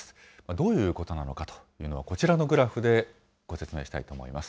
どういうことなのかというのは、こちらのグラフでご説明したいと思います。